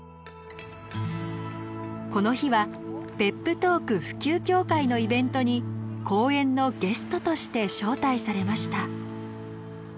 この日はペップトーク普及協会のイベントに講演のゲストとして招待されました。